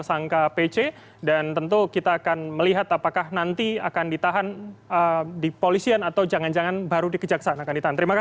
yang peduli bisa bicara